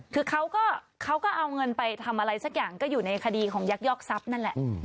คือเขาก็เอาเงินไปทำอะไรสักอย่างก็อยู่ในคดีของยักยอกทรัพย์นั่นแหละ